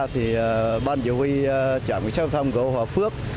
thì ban chỉ huy trạm giao thông cửa ô hòa phước